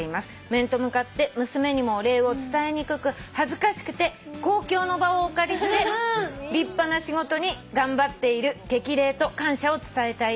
「面と向かって娘にもお礼を伝えにくく恥ずかしくて公共の場をお借りして立派な仕事に頑張っている激励と感謝を伝えたいです」